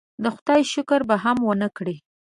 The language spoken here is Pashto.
د خدای شکر به هم ونه کړي.